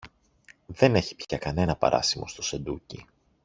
Δεν έχει πια κανένα παράσημο στο σεντούκι